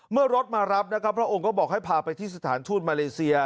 เมื่อรถมารับนะครับพระองค์ก็บอกให้พาไปที่สถานทูตมาเลเซีย